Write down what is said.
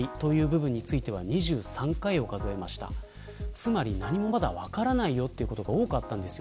つまり、まだ何も分からないよということが多かったんです。